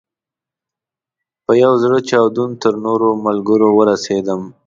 په یو زړه چاودون تر نورو ملګرو ورسېدم.